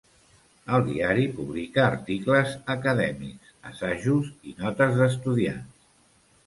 El diari publica articles acadèmics, assajos i notes d"estudiants.